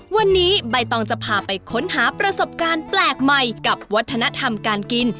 วันนี้ใบตองจะพาไปค้นหาประสบการณ์แปลกใหม่กับวัฒนธรรมการกิน